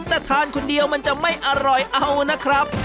แต่ทานคนเดียวมันจะไม่อร่อยเอานะครับ